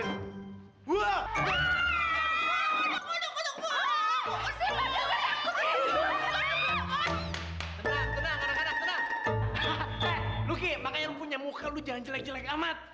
luki makanya yang punya muka lu jangan jelek jelek amat